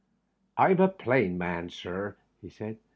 "Pm a plain man, sir," he said.